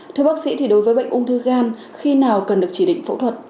thưa bác sĩ thì đối với bệnh ung thư gan khi nào cần được chỉ định phẫu thuật